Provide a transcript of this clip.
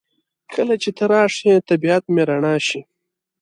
کله چې ته راشې طبیعت مې رڼا شي.